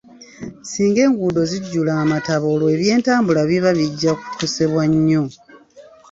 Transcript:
Singa enguudo zijjula amataba olwo eby'entambula biba bijja kukosebwa nnyo.